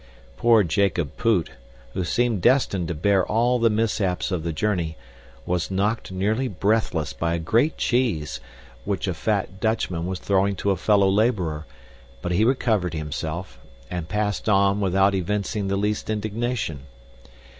Poor Jacob Poot, who seemed destined to bear all the mishaps of the journey, was knocked nearly breathless by a great cheese, which a fat Dutchman was throwing to a fellow laborer, but he recovered himself, and passed on without evincing the least indignation.